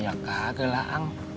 ya kagel lah ang